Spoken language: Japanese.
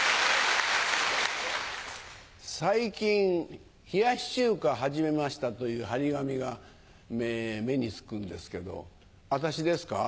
最近「冷やし中華始めました」という張り紙が目に付くんですけど私ですか？